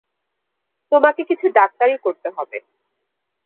তোমাকে কিছু ডাক্তারি করতে হবে।